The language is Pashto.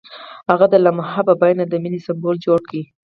هغه د لمحه په بڼه د مینې سمبول جوړ کړ.